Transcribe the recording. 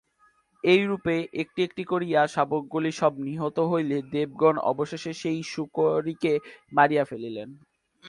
এইরূপে একটি একটি করিয়া শাবকগুলি সব নিহত হইলে দেবগণ অবশেষে সেই শূকরীকেও মারিয়া ফেলিলেন।